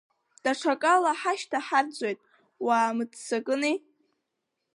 Даҽакала ҳашьҭа ҳарӡуеит, уаамыццакыни!